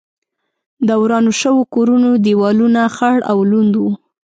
د ورانو شوو کورونو دېوالونه خړ او لوند و.